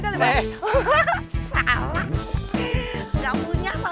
kalau boleh langsung naik motor